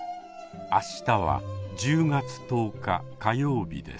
明日は１０月１０日火曜日です。